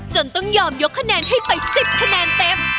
จนต้องยอมยกคะแนนให้ไป๑๐คะแนนเต็ม